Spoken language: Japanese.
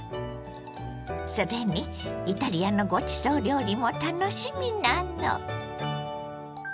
それにイタリアのごちそう料理も楽しみなの。